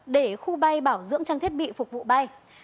để khu bay bảo dưỡng trang thiết bị phục vụ bay